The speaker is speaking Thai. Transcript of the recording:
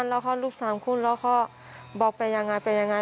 แล้วก็ลูกสามคุณแล้วก็บอกไปยังไง